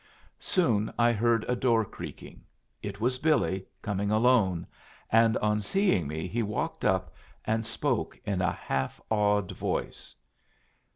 Soon I heard a door creaking. It was Billy, coming alone, and on seeing me he walked up and spoke in a half awed voice.